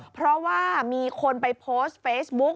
เพราะว่ามีคนไปโพสต์เฟซบุ๊ก